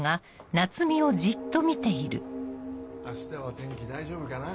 明日は天気大丈夫かな？